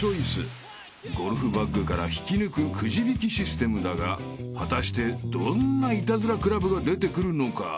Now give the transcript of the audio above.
［ゴルフバッグから引き抜くくじ引きシステムだが果たしてどんなイタズラクラブが出てくるのか］